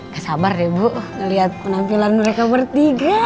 gak sabar ya bu ngeliat penampilan mereka bertiga